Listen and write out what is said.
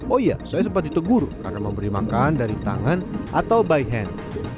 oh iya saya sempat ditegur karena memberi makan dari tangan atau by hand